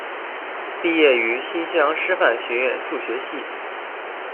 毕业于新乡师范学院数学系。